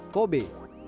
kota di prefektur hyogo